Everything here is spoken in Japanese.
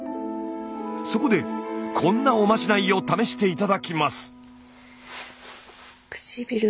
そこでこんなおまじないを試して頂きます。